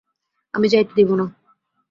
আমি যাইতে দিব না।